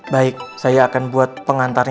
baik saya akan buat pengantar